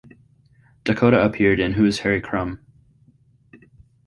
Dakota appeared in Who's Harry Crumb?